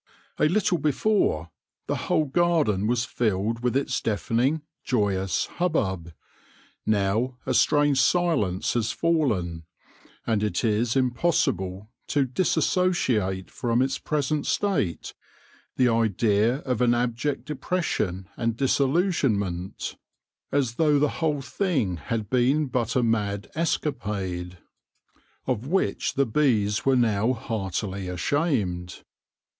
A little before, the whole garden was filled with its deafening, joyous hubbub ; now a strange silence has fallen, and it is impossible to dissociate from its present state the idea of an bject depression and disillusionment, as though the whole 128 THE LORE OF THE HONEY BEE thing had been but a mad escapade, of whicn the bees were now heartily ashamed.